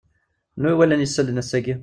Anwa iwalan isallen ass-agi?